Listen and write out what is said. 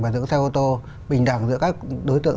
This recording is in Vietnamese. bản dưỡng xe ô tô bình đẳng giữa các đối tượng